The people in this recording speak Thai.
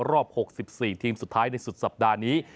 รอบ๖๔ทีมสุดท้ายในสุดสัปดาห์นี้